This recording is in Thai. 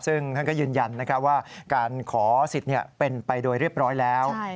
ซึ่งท่านก็ยืนยันว่าการขอสิทธิ์เป็นไปโดยเรียบร้อยแล้ว